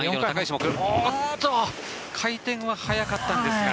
おっと回転は速かったんですが。